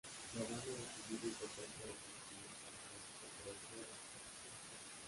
La banda ha recibido importantes reconocimientos, durante su trayectoria artística.